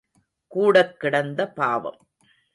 கூடக் கிடந்த பாவம்.